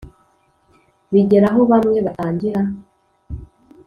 bigera aho bamwe batangira